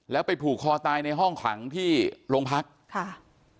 แล้วไปผูกคอตายในห้องขังที่โรงพักค่ะ